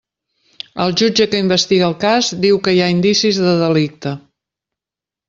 El jutge que investiga el cas diu que hi ha indicis de delicte.